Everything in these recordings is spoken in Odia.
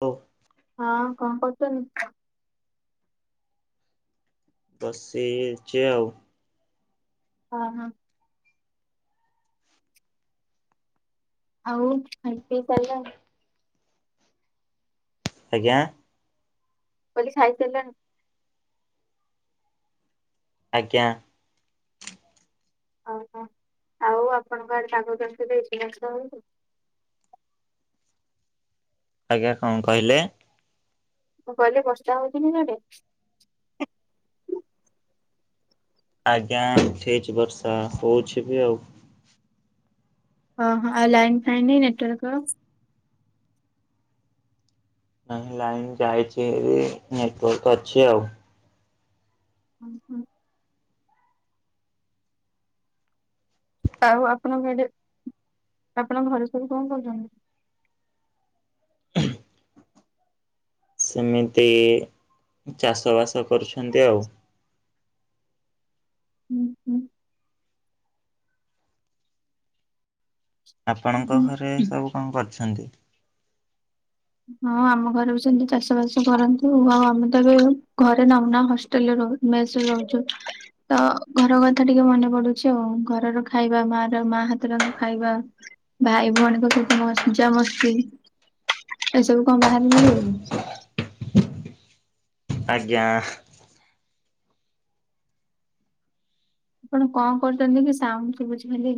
ଓ ହଁ କଣ କରୁଚନ୍ତି? ବସିଛି ଆଉ। ଓ ହୋ। ଆଉ ଖାଇପିଇ ସାରିଲାଣି? ଆଜ୍ଞା? ମୁଁ କହିଲି ଖାଇ ସାରିଲଣି? ଆଜ୍ଞା। ଓହୋ ଆଉ ଆପଣଙ୍କ ତାଙ୍କ [unintelligible] [inaudible] ଆଜ୍ଞା କଣ କହିଲେ? ମୁଁ କହିଲେ ବର୍ଷାହଉଚି କି ସିଆଡେ? ଆଜ୍ଞା ଉଠେଇଛି ବର୍ଷା ହଉଛି ବି ଆଉ। ଓ ହୋ ଆଉ ଲାଇନ୍ ଫାଇନ ନେଟୱର୍କ? ନାଇଁ ଲାଇନ ଯାଇଛି ଏ ନେଟୱାର୍କ ଅଛି ଆଉ। ହଁ ହୁଁ। ଆଉ ଆପଣ ଆଡେ ଆପଣଙ୍କ ଘରେ ସବୁକଣ କରୁଛନ୍ତି? ହେ ସେମିତି ଚାଷ ବାସ କରୁଛନ୍ତି ଆଉ। ହୁଁ ଆପଣଙ୍କ ହୁଁ। ଘରେ ସବୁ କଣ କରିଛନ୍ତି? ହଁ ଆମ ଘରେ ବି ସେମତି ଚାଷ ବାସ କରନ୍ତୁ। ଆଉ ଆମେ ତ ଏବେ ଘରେ ନାହୁନା ହଷ୍ଟେଲରେ ରହୁ। ମେସ୍ ରେ ରହୁଚୁ। ତ ଘର କଥା ଟିକେ ମନେ ପଡୁଛି ଆଉ ଘରର ଖାଇବା ମା ର ମା ହାତ ରନ୍ଧା ଖାଇବା। ଭାଇ ଭଉଣୀଙ୍କ ସହିତ ମସ୍ ଜା ମସ୍ତି। ଏସବୁ କଣ ବାହାରେ ମିଳିବ କି? ଆଜ୍ଞା ଆସ। ଆପଣ କଁ କରୁଚନ୍ତି କି ସାଉଣ୍ଡ ସୁବୁଛି ଖାଲି।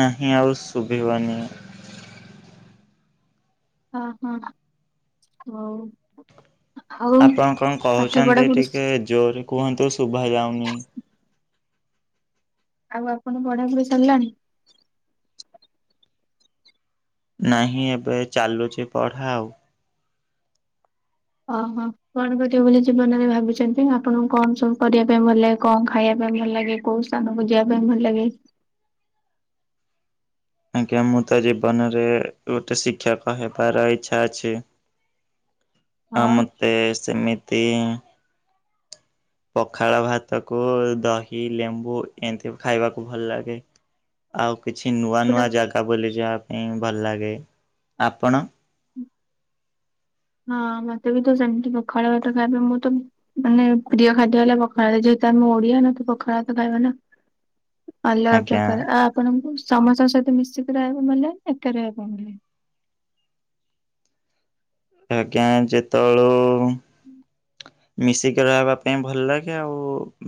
ନାହିଁ ଆଉ ଶୁଭିବନି। ହଁ ହଁ ଭଉ। ଆପଣ କଣ କହୁଛନ୍ତି ଟିକେ ଜୋରେ କୁହନ୍ତୁ ଶୁଭା ଯାଉନି। ଆଉ ଆପଣ ପଢାପଢି ସରିଲାଣି। ନାହିଁ ଏବେ ଚାଲୁଛି ପଢା ଆଉ। ଓହଁ କଣ କରିବ ବୋଲି ଜୀବନରେ ଭାବିଛନ୍ତି। ଆପଣଙ୍କୁ କଣ ସବୁ କରିବା ପାଇଁ ଭଲ ଲାଗେ? କଣ ଖାଇବା ପାଇଁ? ଭଲ ଲାଗେ କୋଉ ସ୍ଥାନକୁ ଯିବା ପାଇଁ ଭଲ ଲାଗେ? ଆଜ୍ଞା ମୁଁ ତ ଜୀବନରେ ଗୋଟେ ଶିକ୍ଷକ ହେବାର ଇଛା ଅଛି। ଆଉ ହଁ ମତେ ସେମିତି ପଖାଳ ଭାତ କୁ ଦହି, ଲେମ୍ବୁ ଏମତି ଖାଇବାକୁ ଭଲ ଲାଗେ। ଆଉ କିଛି ନୂଆ ପୁରା ନୂଆ ଜାଗା ବୁଲି ଯିବା ପାଇଁ ଭଲ ଲାଗେ। ଆପଣ? ହଁ ମତେ ବି ତ ସେମିତି ପଖାଳ ଭାତ ଖାଇବା ପାଇଁ ମୁଁ ତ ମାନେ ପ୍ରିୟ ଖାଦ୍ୟ ହେଲା ପଖାଳ ଯେହେତୁ ଆମେ ଓଡିଆ ନା ତ ପଖାଳ ତ ଖାଇବା ନା। ଅଲଗା ଆଜ୍ଞା ପ୍ରକାର ଆ ଆପଣଙ୍କୁ? ସମସ୍ତଙ୍କ ସହିତ ମିଶିକି ରହିବା ପାଇଁ ଭଲ ଲାଗେ ନା ଏକା ରହିବା ପାଇଁ ଭଲ ଲାଗେ? ଆଜ୍ଞା ଯେତବେଳୁ ହୁଁ। ମିଶିକି ରହିବା ପାଇଁ ଭଲ ଲାଗେ ଆଉ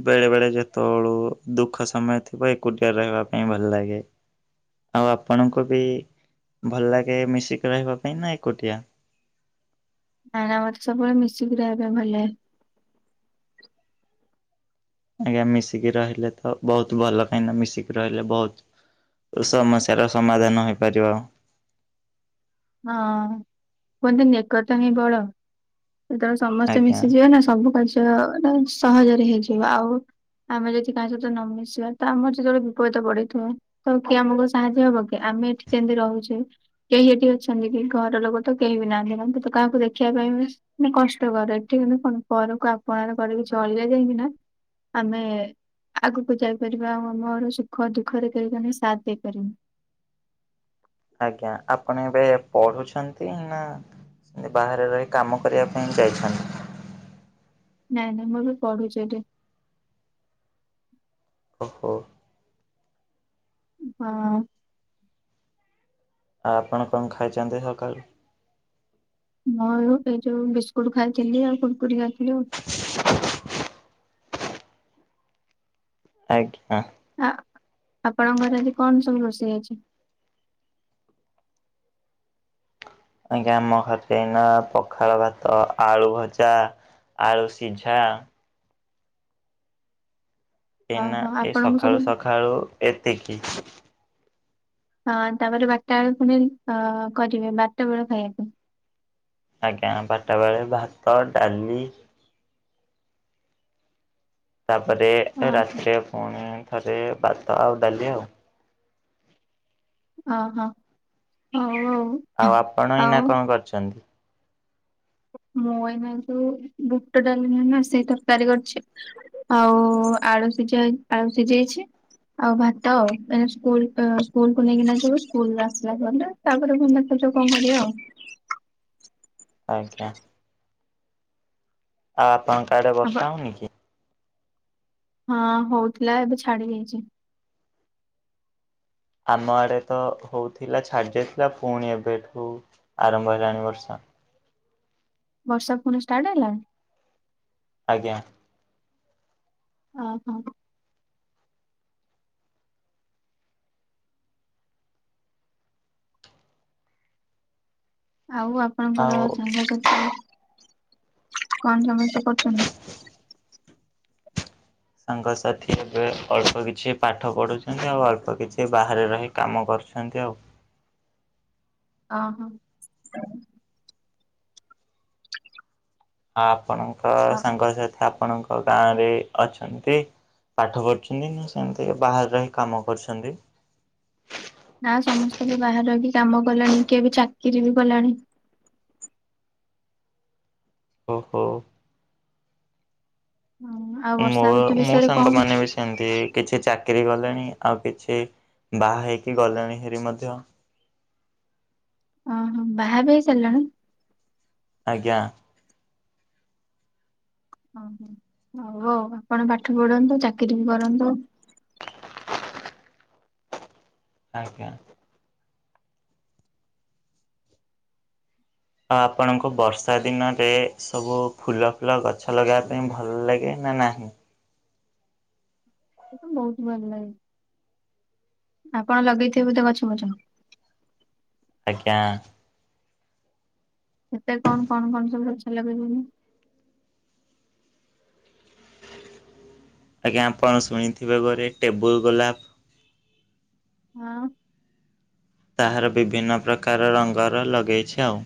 ବେଳେ ବେଳେ ଯେତେବେଳୁ ଦୁଃଖ ସମୟ ଥିବ୍ ମୁଁ ଏକୁଟିଆ ରହିବା ପାଇଁ ଭଲ ଲାଗେ। ଆଉ ଆପଣଙ୍କୁ ବି ଭଲ ଲାଗେ ମିଶିକି ରହିବା ପାଇଁ ନା ଏକୁଟିଆ? ନାଇ ନା ମତେ ସବୁବେଳେ ମିଶିକି ରହିବା ପାଇଁ ଭଲ ଲାଗେ। ଆଜ୍ଞା ମିଶିକି ରହିଲେ ତ ବହୁତ ଭଲ କାହିଁକିନା ମିଶିକି ରହିଲେ ବହୁତ୍ ସମସ୍ୟାର ସମାଧାନ ହେଇପାରିବ। ହଁ କୁହନ୍ତିନି ଏକତା ହିଁ ବଳ। ଯେତବେଳେ ସମସ୍ତେ ଆଜ୍ଞା। ମିଶିଯିବେ ନା ସବୁ କାର୍ଯ୍ୟ ନା ସହଜରେ ହେଇଯିବ ଆଉ। ଆମେ ଯଦି କାହା ସହିତ ନ ମିଶିବା ତ ଆମର ଯେତେବେଳେ ବିପଦତା ପଡିଥିବଏ ତ କିଏ ଆମକୁ ସାହାଯ୍ୟ ହବ କି? ଆମେ ଏଠି ଯେମିତି ରହୁଚୁ କେହି ଏଠି ଅଛନ୍ତି କି ଘର ଲୋକ ତ କେହି ବି ନାହାନ୍ତି ଏବଂ ତୁ ତ କାହାକୁ ଦେଖିବା ପାଇଁ ବି ନି କଷ୍ଟକର ଏଠି ମାନେ କଣ ପରକୁ ଆପଣାର କରିକି ଚଳିଲେ ଯାଇଁକି ନା ଆମେ ଆଗକୁ ଯାଇପାରିବା ଆଉ ଆମର ସୁଖ ଦୁଃଖରେ କେହି ଜଣେ ସାଥ୍ ଦେଇପାରିବ। [inaudible] ଆଜ୍ଞା ଆପଣ ଏବେ ପଢୁଛନ୍ତି ନା? ସେମତି ବାହାରେ ରହି କାମ କରିବା ପାଇଁ ଯାଇଛନ୍ତି? ନାଇଁ ନାଇଁ ମୁଁ ବି ପଢୁଛି ଏଠି। ଓହୋ। ହଁ। ଆଉ ଆପଣ କଣ ଖାଇଚନ୍ତି ସକାଳୁ? ମୋର ଏଇ ଯୋଉ ବିସ୍କୁଟ ଖାଇଥିଲି ଆଉ କୁୁରକୁରି ଖାଇଥିଲି ଆଉ। ଆ ଜ୍ଞା। ଆ ଆପଣଙ୍କ ଘରେ ଆଜି କଣ ସବୁ ରୋଷେଇ ଏଇଛି? ଆଜ୍ଞା ଆମ ଘରେ ଏନା ପଖାଳ ଭାତ ଆଳୁ ଭଜା ଆଳୁ ସିଝା ଏନା ଓହୋ ଏଇ ଆପଣଙ୍କୁ ସକାଳୁ ସବୁ ସକାଳୁ ଏତିକି। ହଁ ତାପରେ ବାରଟା ବେଳ ପୁଣି ଅ କରିବେ ବାରଟା ବେଳ ଖାଇବା ପାଇଁ। ଆଜ୍ଞା ବାରଟା ବେଳେ ଭାତ ଡାଲି ତାପରେ ଅ ରାତିରେ ପୁଣି ତାପରେ ଭାତ ଆଉ ଡାଲି ଆଉ। ଓ ହୋ ହ। ଆଉ ଆପଣ ଏଇଁନା କଣ କରିଛନ୍ତି? ହ [inaudible] [unintelligible] ମୁଁ ଏଇନା ଯୋଉ ବୁଟ ଡାଲି ନାଇ ନା ସେଇ ତରକାରୀ କରିଛି ଆଉ ଆଳୁ ସିଝହେ ଆଉ ସିଯେଇଚି। ଆଉ ଭାତ ଏଇନେ ସ୍କୁ ଅ ସ୍କୁଲ କୁ ନେଇକିନା ଯିବ ସ୍କୁଲରୁ ଆସିଲା ପରେ ତାପରେ ବୁଲ ଲେ କଣ କରିବା ଆଉ। ଆଜ୍ଞା। ଆଉ ଆପଣଙ୍କ ଆଡେ ଆପଣ ବର୍ଷା ହଉନି କି? ହଁ ହଉଥିଲା ଏବେ ଛାଡି ଯାଇଚି। ଆମ ଆଡେ ତ ହଉଥିଲା ଛାଡି ଯାଇଥିଲା ପୁଣି ଏବେଠୁ ଆରମ୍ଭ ହେଲାଣି ବର୍ଷା ବର୍ଷା ପୁଣି ଷ୍ଟାର୍ଟ ହେଲାଣି? ଆଜ୍ଞା। ଓ ହୋ। ଆଉ ଆପଣଙ୍କର ଆଉ ସାଙ୍ଗସାଥି କଣ ସମସ୍ତେ କରଛନ୍ତି ସାଙ୍ଗସାଥି ଏବେ ଅଳ୍ପ କିଛି ପାଠ ପଢୁଛନ୍ତି ଆଉ ଅଳ୍ପ କିଛି ବାହାରେ ରହି କାମ କର କରଛନ୍ତି ଆଉ। ହ ଅ ହ। ଆ ଆପଣଙ୍କ ହ ସାଙ୍ଗସଥି ଆପଣଙ୍କ ଗାଁ ରେ ଅଛନ୍ତି। ପାଠ ପଢୁଛନ୍ତି ନା ସେମିତି ବାହାରେ ରହି କାମ କରୁଛନ୍ତି? [inaudible] ନା ସମସ୍ତେ ବି ବାହାର କି କାମ କଲାଣି କିଏବେ ଚାକିର ବି କଲାଣି। ଓ ହୋ। ହଁ ଆଉ ମୋ ବର୍ଷା ଋତୁ ମୋ ବିଷୟରେ ସାଙ୍ଗ କଣ ମାନ ବି ସେମିତି କିଛି ଚାକ ଚାକିରି ଗଲେଣି ଆଉ କିଛି ବାହା ହେଇକି ଗଲେଣି ହେରି ମଧ୍ୟ ଓହୋ ବାହା ବି ହେଇ ସାରିଲେଣି? ଆଜ୍ଞା। ଓହୋ ହଉ ଆଉ ଆପଣ ପାଠ ପଢନ୍ତୁ ଚାକିରି ବି କରନ୍ତୁ। ଆଜ୍ଞା। ଆପଣଙ୍କୁ ବର୍ଷା ଦିନରେ ସବୁ ଫୁଲ, ଫୁଲ ଗଛ ଲଗେଇବା ପାଇଁ ଭଲ ଲାଗେ? ନା ନାହିଁ ମୋତେ ବହୁତ ଭଲ ଲାଗେ ଆପଣ ଲଗେଇଥିବେ ବୋଧେ ଗଛ ଫଛ ଆଜ୍ଞା କେତେ କଣ କଣ କଣ ସବୁ ଗଛ ଲଗେଇଛନ୍ତି? ଆଜ୍ଞା ଆପଣ ଶୁଣିଥିବେ ଘରେ ଟେବୁଲ ଗୋଲାପ? ହଁ। ତାହାର ବିଭିନ୍ନ ପ୍ରକାର ରଙ୍ଗର ଲଗେଇଛି ଆଉ।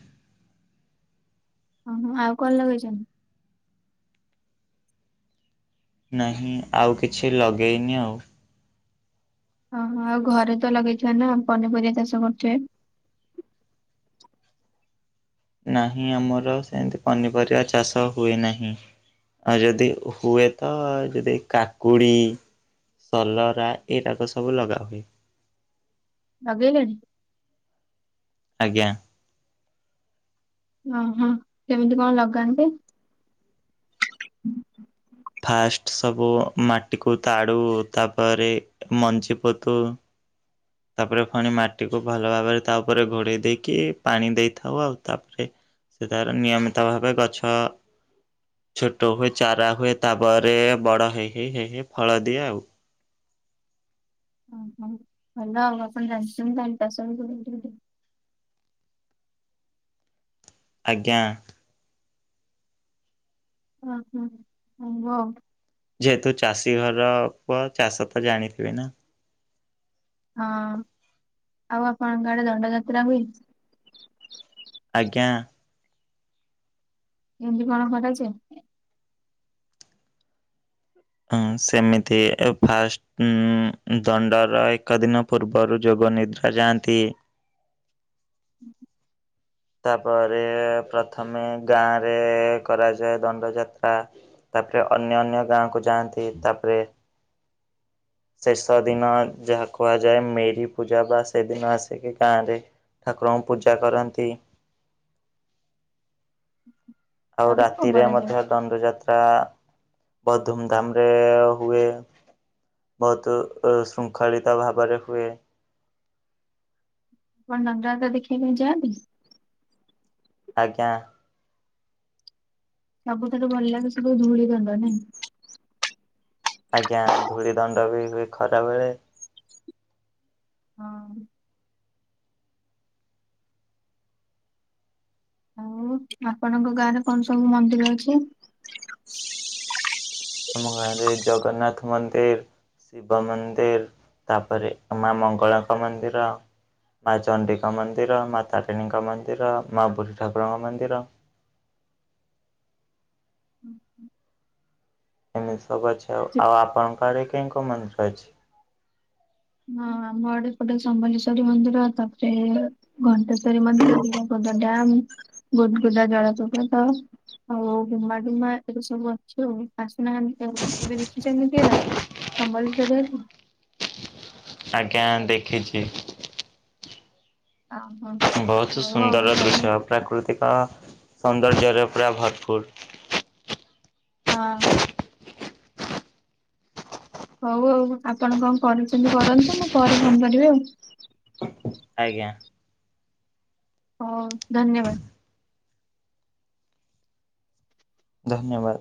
ଅ ହ ଆଉ କଣ ଲଗେଇଛନ୍ତି? ନାହିଁ ଆଉ କିଛି ଲଗେଇନି ଆଉ। ଓହୋ ଆଉ ଘରେ ତ ଲଗେଇଥିବେ ନା ପନିପରିବା ଚାଷ କରୁଥିବେ? ନାହିଁ ଆମର ସେମିତି ପନିପରିବା ଚାଷ ହୁଏ ନାହିଁ। ଆଉ ଯଦି ହୁଏ ତ ଯଦି କାକୁଡି ସଲରା ଏଟାକ ସବୁ ଲଗାହୁଏ। ଲଗେଇଲେଣି ଆଜ୍ଞା। ଅ ହଁ କେମିତି କଣ ଲଗାନ୍ତି? ଫାଷ୍ଟ ସବୁ ମାଟିକୁ ତାଡୁ ତାପରେ ମଞ୍ଜି ପୋତୁ ତାପରେ ପଣି ମାଟିକୁ ଭଲ ଭାବରେ ତା ଉପରେ ଘୋଡେଇ ଦେଇକି ପାଣି ଦେଇଥାଉ ଆଉ ତାପରେ ସେଥିରେ ନିୟମିତ ଭାବେ ଗଛ ଛୋଟ ହୁଏ ଚାରା ହୁଏ ତାପରେ ବଡ ହେଇ ହେଇ ହେଇ ହେଇ ଫଳ ଦିଏ ଆଉ। ହଁ ହଁ ଭଲ [unintelligible] ଆଜ୍ଞା। ହୁଁ ହୁଁ ହ୍ନୁ ଅ। ଯେହେତୁ ଚାଷୀ ଘର ପୁଅ ଚାଷ ତ ଜାଣିଥିବେ ନା? ହଁ ଆଉ ଆପଣଙ୍କ ଆଡେ ଦଣ୍ଡଯାତ୍ରା ଆଉ ହେଇଚି। ଆଜ୍ଞା। କେମିତି କଣ କରାଯାଏ। ହଁ ସେମିତି ଫାଷ୍ଟ ହୁଁ ଏଦଣ୍ଡର ଏକ ଦିନ ପୂର୍ବରୁ ଯୋଗୁ ନିଦ୍ରା ଯାଆନ୍ତି? ହୁଁ। ତାପରେ ପ୍ରଥମେ ଗାଁରେ କରାଯାଏ ଦଣ୍ଡ ଯାତ୍ରା। ତାପରେ ଅନ୍ୟ ଅନ୍ୟ ଗାଁକୁ ଯାଆନ୍ତି ତାପରେ ଶେଷ ଦିନ ଯାହା କୁହାଯାଏ ମେରି ପୂଜା ବା ସେଦିନ ଆସିକି ଗାଁ ରେ ଠାକୁରଙ୍କୁ ପୂଜା କରନ୍ତି। ହୁଁ। ଆଉ ରାତିରେ କରାଯାଏ ମଧ୍ୟ ଦଣ୍ଡଯାତ୍ରା ତା ବହୁତ ଧୁମଧାମ ରେ ହୁଏ। ବହୁତୁ ଶୃଙ୍ଖଳିତ ଭାବରେ ହୁଏ। ଆପଣ ଦଣ୍ଡ ଯାତ୍ରା ଦେଖିବା ପାଇଁ ଯାଆନ୍ତି? ଆଜ୍ଞା। ସବୁଥୁରୁ ଭଲ ଲାଗୁଛି ଜୋଉ ଧୂଳି ଦଣ୍ଡ ନାଇଁ? ଆଜ୍ଞା ଧୂଳି ଦଣ୍ଡ ବି ହୁଏ ଖରା ବେଳେ। ହଁ। ଆଉ ଆପଣଙ୍କ ଗାଁ ରେ କଣ ସବୁ ମନ୍ଦିର ଅଛି? ଆମ ଗାଁ ରେ ଜଗନ୍ନାଥ ମନ୍ଦିରି। ଶିବ ମନ୍ଦିରି ତାପରେ ମା ମଙ୍ଗଳାଙ୍କ ମନ୍ଦିର। ମା ଚଣ୍ଡୀଙ୍କ ମନ୍ଦିର, ମା ତାରିଣୀଙ୍କ ମନ୍ଦିର, ମା ବୁଢୀ ଠାକୁରଙ୍କ ମନ୍ଦିର। ଏମିତି ସବୁ ଅଛି ଆଉ ଆପଣଙ୍କ ଆଡ଼େ କେଉଁ କେଉଁ ମନ୍ଦିର ଅଛି। ହଁ ଆମ ଆଡେ ଗୋଟେ ସମ୍ଲେଶ୍ଵରୀ ମନ୍ଦିର ତାପରେ ଘଣ୍ଟେସ୍ଵରୀ ମନ୍ଦିର ଡ୍ୟାମଗୁଦ ଗୁଦା ଜଳପ୍ରଭାତ ଆଉ ଘୁମାଡୁମା ଏବେ ସବୁ ଅଛି ଆଉ। ନା ବିକାବିକି କେବେ ଦେଖି ଚନ୍ତି ସେରା ସମ୍ବଲେସ୍ୱରିରେ ଅଛି? ଆଜ୍ଞା ଦେଖିଛି। ଅହୋ ବହୁତ ହଉ ଆଉ ସୁନ୍ଦର ଭଲ ଦୃଶ୍ୟ ପ୍ରାକୃତି ଏକା ସୌନ୍ଦର୍ଯ୍ୟରେ ପ୍ରାୟ ଭରପୁର। ହଁ। ହଉ ଆଉ ଆପଣ କଣ କରୁଛନ୍ତି କରନ୍ତୁ ମୁଁ ପରେ ଫୋନ କରିବି ଆଉ। ଆଜ୍ଞା। ହଉ ଧନ୍ୟବାଦ। ଧନ୍ୟବାଦ।